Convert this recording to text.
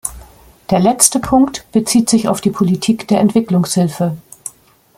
Der letzte Punkt bezieht sich auf die Politik der Entwicklungshilfe.